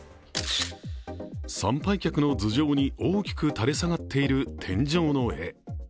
参拝客の頭上に大きく垂れ下がっている天井の絵。